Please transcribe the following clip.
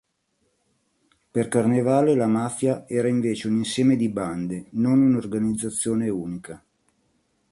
Per Carnevale la mafia era invece un insieme di bande, non un'organizzazione unica.